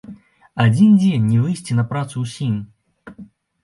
Адзін дзень не выйсці на працу ўсім.